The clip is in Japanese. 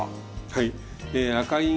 はい。